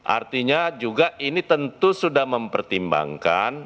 artinya juga ini tentu sudah mempertimbangkan